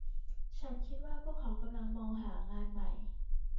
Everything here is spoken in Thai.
ฉันคิดว่าพวกเขากำลังมองหางานใหม่